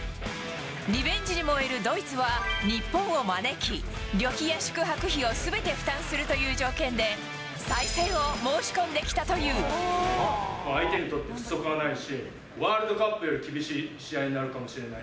リベンジに燃えるドイツは、日本を招き、旅費や宿泊費をすべて負担するという条件で、再戦を申し込んでき相手にとって不足はないし、ワールドカップより厳しい試合になるかもしれない。